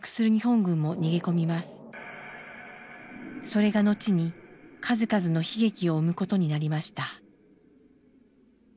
それが後に数々の悲劇を生むことになりました。